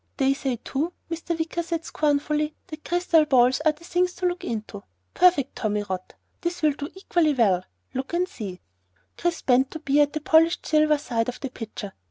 "They say too," Mr. Wicker said scornfully, "that crystal balls are the things to look into. Perfect tommyrot. This will do equally well. Look and see." Chris bent to peer at the polished silver side of the pitcher.